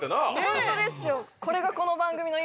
ホントですよ。